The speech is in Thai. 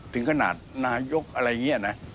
ถึงขนาดนายกอะไรอย่างนี้นะ